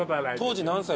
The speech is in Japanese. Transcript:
当時７歳。